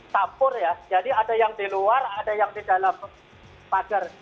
campur ya jadi ada yang di luar ada yang di dalam pagar